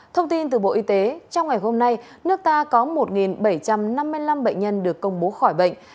thông tin từ bộ y tế trong ngày hôm nay nước ta có một bảy trăm năm mươi năm bệnh nhân được công bố khỏi bệnh